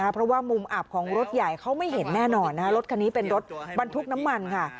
เพราะว่ามุมอับของรถใหญ่เขาไม่เห็นแน่นอนรถคันนี้เป็นรถบรรทุกน้ำมันค่ะ